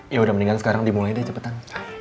yaudah mendingan sekarang dimulai deh cepetan